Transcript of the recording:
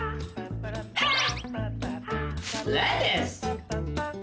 ハッ！